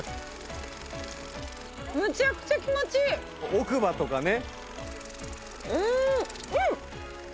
奥歯とかね。